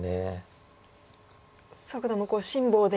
蘇九段も辛抱で。